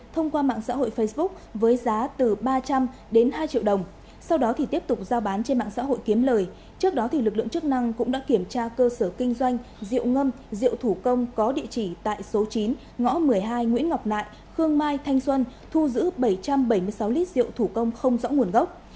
thông qua mạng xã hội facebook với giá từ ba trăm linh đến hai triệu đồng sau đó thì tiếp tục giao bán trên mạng xã hội kiếm lời trước đó lực lượng chức năng cũng đã kiểm tra cơ sở kinh doanh rượu ngâm rượu thủ công có địa chỉ tại số chín ngõ một mươi hai nguyễn ngọc nại khương mai thanh xuân thu giữ bảy trăm bảy mươi sáu lít rượu thủ công không rõ nguồn gốc